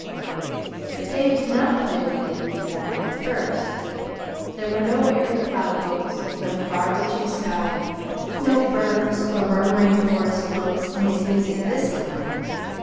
But David did not play what he did before at first. There were no airy cloud boats, no far reaching sky, no birds, or murmuring forest brooks in his music this time.